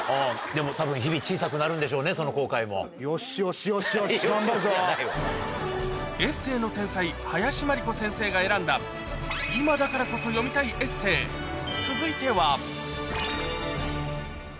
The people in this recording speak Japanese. でもたぶん、日々小さくなるよし、よし、よし、よし、エッセーの天才、林真理子先生が選んだ今だからこそ読みたいエッセー、続いては。